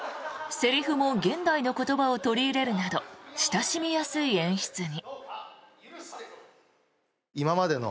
セリフも現代の言葉を取り入れるなど親しみやすい演出に。